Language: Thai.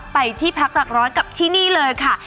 ไปที่พักหลักร้อยกับที่นี่เลยค่ะ